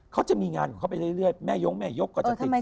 เขาจะมีงานของเขาไปเรื่อยแม่ยกแม่ยกก็จะติด